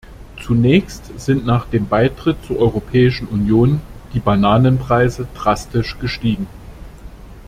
Zunächst sind nach dem Beitritt zur Europäischen Union die Bananenpreise drastisch gestiegen.